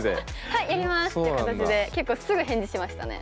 「はいやります」って形で結構すぐ返事しましたね。